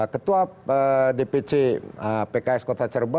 ketua dpc pks kota cerbon